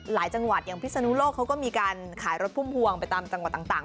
จังหวัดอย่างพิศนุโลกเขาก็มีการขายรถพุ่มพวงไปตามจังหวัดต่าง